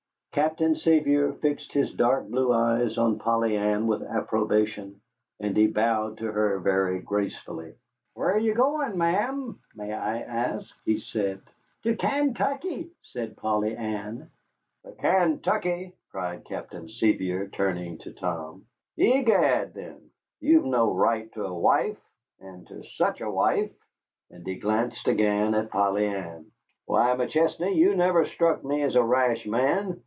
Captain Sevier fixed his dark blue eyes on Polly Ann with approbation, and he bowed to her very gracefully. "Where are you going, Ma'am, may I ask?" he said. "To Kaintuckee," said Polly Ann. "To Kaintuckee!" cried Captain Sevier, turning to Tom. "Egad, then, you've no right to a wife, and to such a wife," and he glanced again at Polly Ann. "Why, McChesney, you never struck me as a rash man.